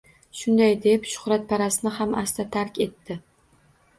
Shunday deb shuhratparastni ham asta tark etdi.